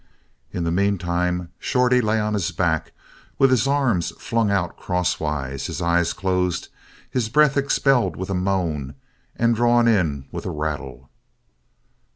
In the meantime, Shorty lay on his back with his arms flung out crosswise, his eyes closed, his breath expelled with a moan and drawn in with a rattle.